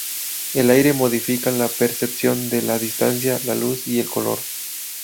El aire modifica la percepción de la distancia, la luz y el color.